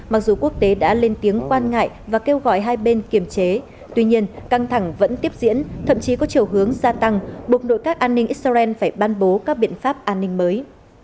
mặc dù quốc tế đã lên tiếng quan ngại và kêu gọi hai bên kiềm chế tuy nhiên căng thẳng vẫn tiếp diễn thậm chí có chiều hướng gia tăng buộc nội các an ninh israel phải ban bố các biện pháp an ninh mới